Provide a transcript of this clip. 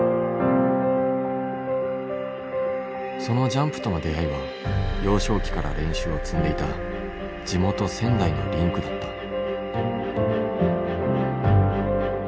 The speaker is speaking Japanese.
そのジャンプとの出会いは幼少期から練習を積んでいた地元仙台のリンクだった。